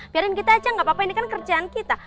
biarin kita aja gak apa apa ini kan kerjaan kita